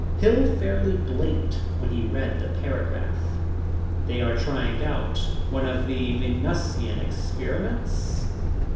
Hill fairly blinked when he read the paragraph. "They are trying out one of the Venusian experiments?"